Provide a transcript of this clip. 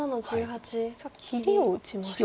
さあ切りを打ちましたね。